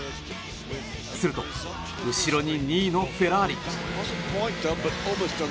すると後ろに２位のフェラーリ。